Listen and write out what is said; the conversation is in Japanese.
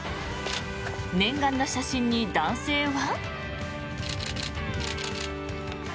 念願の写真に男性は。